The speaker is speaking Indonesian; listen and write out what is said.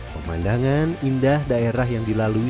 pemandangan indah daerah yang dilalui